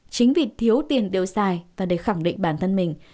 chính vì thiếu tiền đều xài và để khẳng định bản thân mình